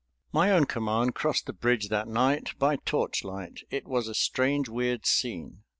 My own command crossed the bridge that night by torchlight. It was a strange weird scene.